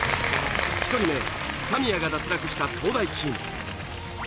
１人目神谷が脱落した東大チーム。